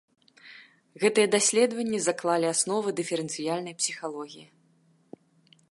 Гэтыя даследаванні заклалі асновы дыферэнцыяльнай псіхалогіі.